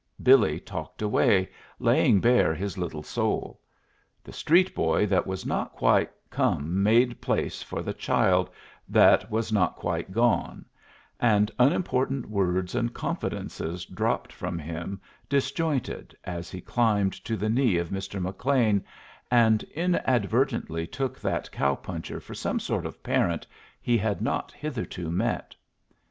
Billy talked away, laying bare his little soul; the street boy that was not quite come made place for the child that was not quite gone, and unimportant words and confidences dropped from him disjointed as he climbed to the knee of Mr. McLean, and inadvertently took that cow puncher for some sort of parent he had not hitherto met.